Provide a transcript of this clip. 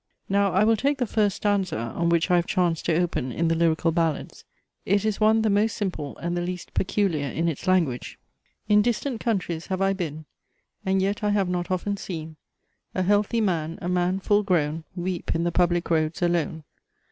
Now I will take the first stanza, on which I have chanced to open, in the Lyrical Ballads. It is one the most simple and the least peculiar in its language. "In distant countries have I been, And yet I have not often seen A healthy man, a man full grown, Weep in the public roads, alone.